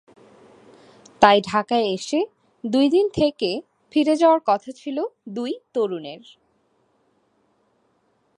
তাই ঢাকায় এসে দুই দিন থেকে ফিরে যাওয়ার কথা ছিল দুই তরুণের।